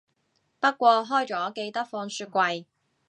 不過開咗記得放雪櫃